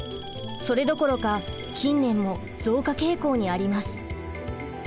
それどころか近年も増加傾向にあります。